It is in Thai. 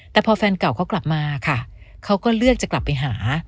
แต่พอแฟนเก่าเขากลับมาค่ะเขาก็เลือกจะกลับไปหา